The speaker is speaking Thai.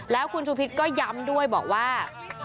แล้วคุณชูพิษก็ย้ำด้วยบอกว่า